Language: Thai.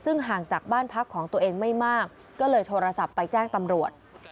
ซึ่งห่างจากบ้านพักของตัวเองไม่มากก็เลยโทรศัพท์ไปแจ้งตำรวจ